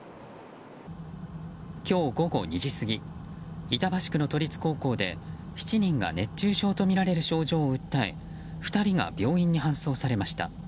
今日午後２時過ぎ板橋区の都立高校で７人が熱中症とみられる症状を訴え２人が病院に搬送されました。